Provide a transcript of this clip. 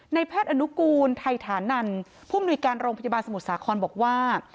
แพทย์อนุกูลไทยฐานันผู้มนุยการโรงพยาบาลสมุทรสาครบอกว่า